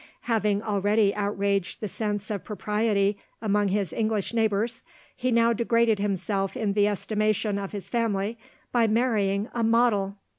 Having already outraged the sense of propriety among his English neighbours, he now degraded himself in the estimation of his family, by marrying a "model."